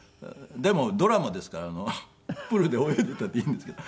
でもドラマですからプールで泳いでいたっていいんですけど。